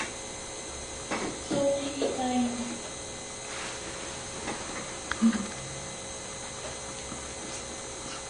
Saw thi eta aini